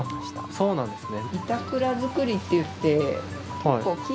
そうなんですね。